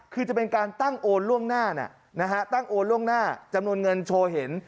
คือจะเป็นการตั้งโอนล่วงหน้าจำนวนเงินโชว์เห็น